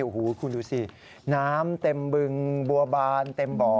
โอ้โหคุณดูสิน้ำเต็มบึงบัวบานเต็มบ่อ